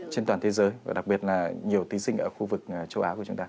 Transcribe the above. trên toàn thế giới và đặc biệt là nhiều thí sinh ở khu vực châu á của chúng ta